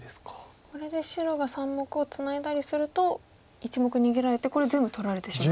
これで白が３目をツナいだりすると１目逃げられてこれ全部取られてしまう。